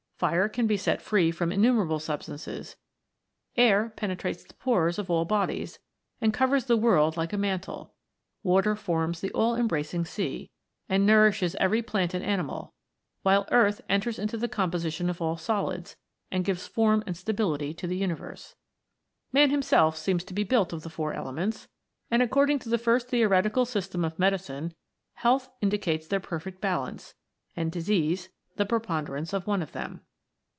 Fire can be set free from innu merable substances ; air penetrates the pores of all bodies, and covers the world like a mantle ; water forms the all embracing sea, and nourishes every plant and animal : while earth enters into the com position of all solids, and gives form and stability to the universe. 30 THE FOUR ELEMENTS. Man himself seems to be built up of the four elements, and according to the first theoretical system of medicine, health indicates their perfect ba lance, and disease, the preponderance of one of them.